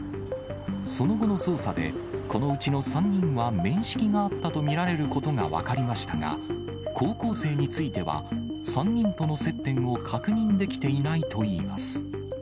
その後の捜査で、このうちの３人は面識があったと見られることが分かりましたが、高校生については、３人との接点を確認できていないといいます。